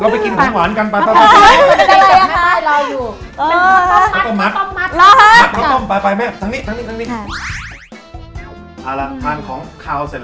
ไปไป